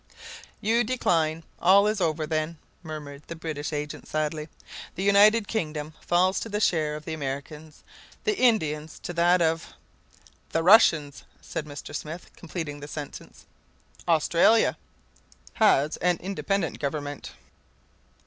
"You decline! All is over then!" murmured the British agent sadly. "The United Kingdom falls to the share of the Americans; the Indies to that of " "The Russians," said Mr. Smith, completing the sentence. "Australia " "Has an independent government."